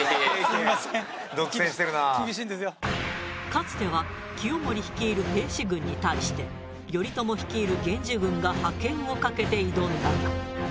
かつては清盛率いる平氏軍に対して頼朝率いる源氏軍が覇権を懸けて挑んだが。